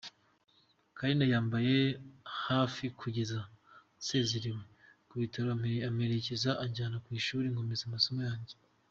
Carine yambaye hafi kugeza nsezerewe mu bitaro aramperekeza anjyana ku ishuri nkomeza amasomo yanjye.